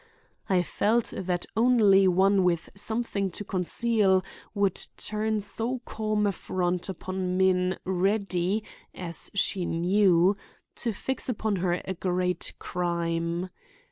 I felt that only one with something to conceal would turn so calm a front upon men ready, as she knew, to fix upon her a great crime.